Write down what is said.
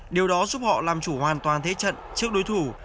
điều đó giúp họ làm chủ hoàn toàn thế trận trước đối thủ